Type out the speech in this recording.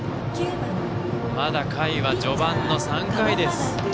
まだ回は序盤の３回です。